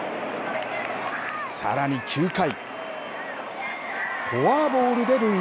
さらに９回。